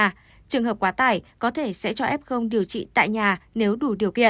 trường hợp quá tải có thể sẽ cho f điều trị tại nhà nếu đủ điều kiện